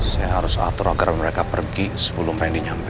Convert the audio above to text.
saya harus atur agar mereka pergi sebelum randy nyampe